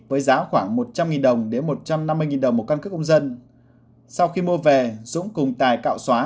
với giá khoảng một trăm linh đồng đến một trăm năm mươi đồng một căn cước công dân sau khi mua về dũng cùng tài cạo xóa